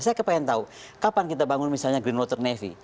saya pengen tahu kapan kita bangun misalnya greenwater navy